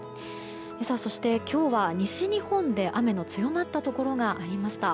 そして、今日は西日本で雨が強まったところがありました。